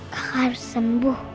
kakak harus sembuh